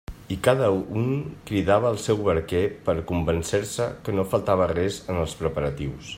I cada un cridava el seu barquer per a convèncer-se que no faltava res en els preparatius.